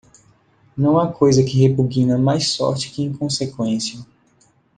Não há coisa que repugna mais sorte que inconsequência.